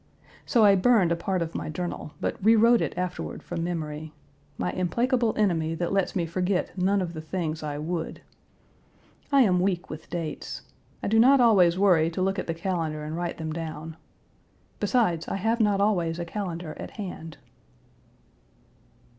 So I burned a part of my journal but rewrote it afterward from memory my implacable enemy that lets me forget none of the things I would. I am weak with dates. I do not always worry to look at the calendar and write them down. Besides I have not always a calendar at hand.